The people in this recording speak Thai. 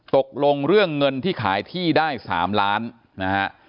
ตกลงเรื่องเงินที่ขายที่ได้๓ล้านนะฮะ